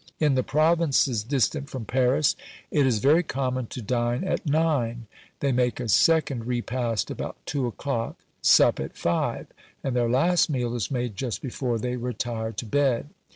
In the provinces distant from Paris, it is very common to dine at nine; they make a second repast about two o'clock, sup at five; and their last meal is made just before they retire to bed.